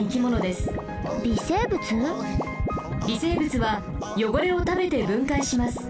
微生物はよごれをたべてぶんかいします。